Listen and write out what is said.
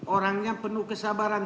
orangnya penuh kesabaran